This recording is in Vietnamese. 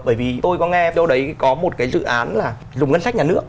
bởi vì tôi có nghe chỗ đấy có một cái dự án là dùng ngân sách nhà nước